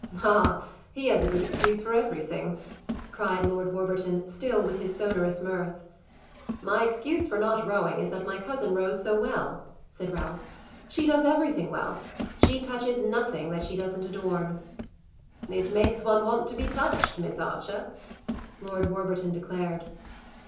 "Ah, he has a good excuse for everything!" cried Lord Warburton, still with his sonorous mirth. "My excuse for not rowing is that my cousin rows so well," said Ralph. "She does everything well. She touches nothing that she doesn't adorn!" "It makes one want to be touched, Miss Archer," Lord Warburton declared.